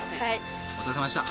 お疲れさまでした。